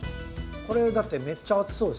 これだってめっちゃ暑そうですよ。